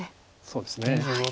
そうですね。